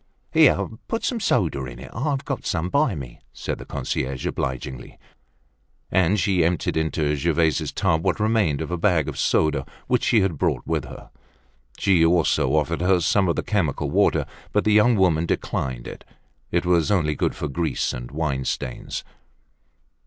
"Here put some soda in, I've got some by me," said the concierge, obligingly. And she emptied into Gervaise's tub what remained of a bag of soda which she had brought with her. She also offered her some of the chemical water, but the young woman declined it; it was only good for grease and wine stains.